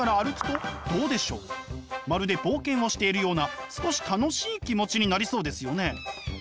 まるで冒険をしているような少し楽しい気持ちになりそうですよね。